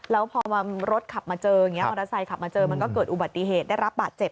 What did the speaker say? แล้วพอบริโฆษณ์ขับมาเจอมันก็เกิดอุบัติเหตุได้รับปาดเจ็บ